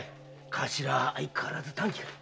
頭は相変わらず短気かい？